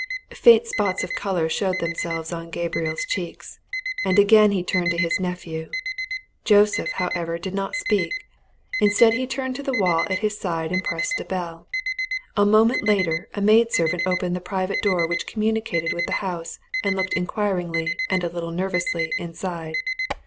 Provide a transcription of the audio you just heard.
Faint spots of colour showed themselves on Gabriel's cheeks. And again he turned to his nephew. Joseph, however, did not speak. Instead, he turned to the wall at his side and pressed a bell. A moment later a maid servant opened the private door which communicated with the house, and looked inquiringly and a little nervously inside.